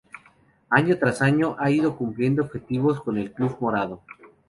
Año tras año, ha ido cumpliendo objetivos con el club morado.